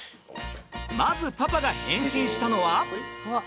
まずパパが変身したのは？